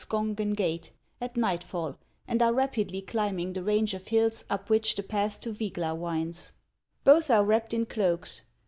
Skongen Gate, at nightfall, and are rapidly climbing the range of hills up which the path to Yygla winds. Both are wrapped in cloaks.